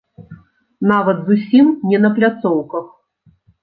Нават зусім не на пляцоўках.